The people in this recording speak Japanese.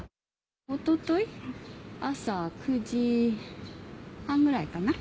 おととい朝９時半ぐらいかな。